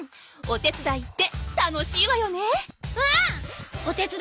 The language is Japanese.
おてつだいって楽しいわよね。